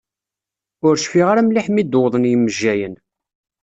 Ur cfiɣ ara mliḥ mi d-uwḍen yimejjayen.